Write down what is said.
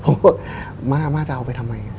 ผมบอกมาจะเอาไปทำไม